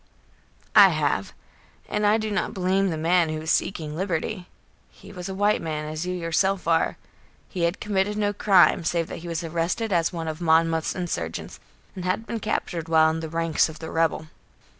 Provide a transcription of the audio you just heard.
"I have; and I do not blame the man who was seeking liberty. He was a white man, as you yourself are. He had committed no crime, save that he was arrested as one of Monmouth's insurgents and had been captured while in the ranks of the rebel."